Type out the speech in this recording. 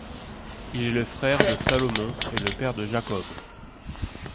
Il est le frère de Salomon et le père de Jacob.